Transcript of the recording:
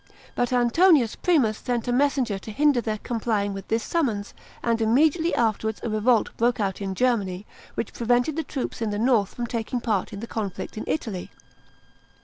But Antonius Primus sent a messenger to hinder their complying with this summons, and immediately afterwards a revolt broke out in Germany, which prevented the troops in the north from taking part in the conflict in Italy.